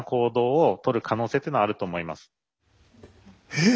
えっ。